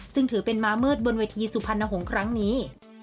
ซึ่งถือเป็นมามืดบนเวทีสุพรรณหงษ์ครั้งนี้